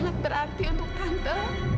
sangat berarti untuk tante